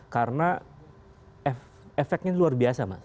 karena efeknya luar biasa